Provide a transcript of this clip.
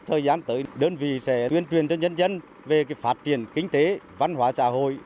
thời gian tới đơn vị sẽ tuyên truyền cho nhân dân về phát triển kinh tế văn hóa xã hội